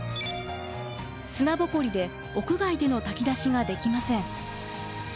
砂ぼこりで屋外での炊き出しができません。